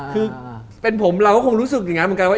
คือเป็นผมเราก็คงรู้สึกอย่างนั้นเหมือนกันว่า